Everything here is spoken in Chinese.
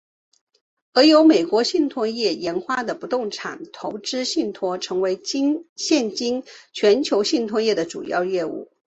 而由美国信托业研发的不动产投资信托成为了现今全球信托业的主要业务。